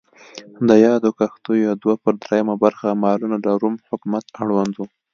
د یادو کښتیو دوه پر درېیمه برخه مالونه د روم حکومت اړوند و.